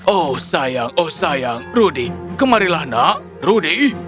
oh sayang oh sayang rudi kemarilah nak rudi